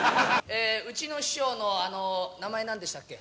うちの師匠の名前何でしたっけ？